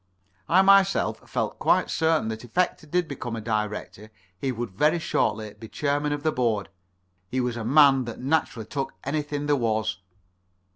I myself felt quite certain that if Hector did become a Director he would very shortly be chairman of the Board. He was a man that naturally took anything there was.